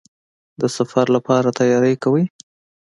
د سفر لپاره تیاری کوئ؟